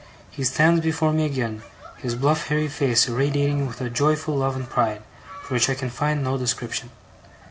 He stands before me again, his bluff hairy face irradiating with a joyful love and pride, for which I can find no description.